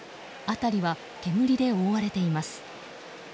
辺りは煙で覆われています。